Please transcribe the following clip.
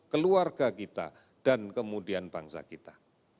keluarga kita dan kemudian bangsa kita